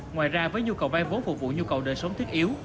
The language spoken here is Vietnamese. ngoài ra với nhu cầu bay vốn phục vụ nhu cầu đời sống thiết yếu